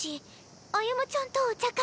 歩夢ちゃんとお茶会。